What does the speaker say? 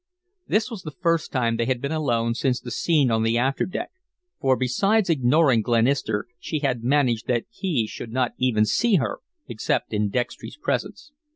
This was the first time they had been alone since the scene on the after deck, for, besides ignoring Glenister, she had managed that he should not even see her except in Dextry's presence.